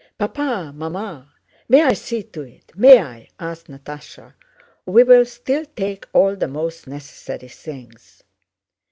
"Papa! Mamma! May I see to it? May I?..." asked Natásha. "We will still take all the most necessary things."